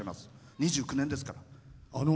２９年ですから。